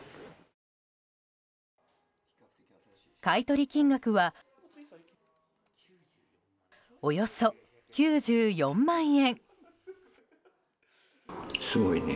買い取り金額はおよそ９４万円。